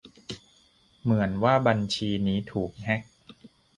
"เหมือนว่าบัญชีนี้ถูกแฮ็ก"